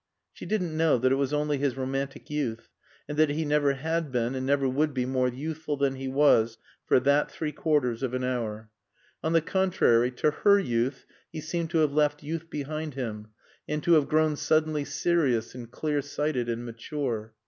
She didn't know that it was only his romantic youth and that he never had been and never would be more youthful than he was for that three quarters of an hour. On the contrary, to her youth he seemed to have left youth behind him, and to have grown suddenly serious and clear sighted and mature.